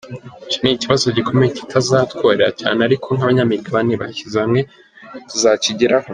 Icyo ni ikibazo gikomeye kitazatworohera cyane ariko nk’abanyamigabane bashyize hamwe tuzakigeraho.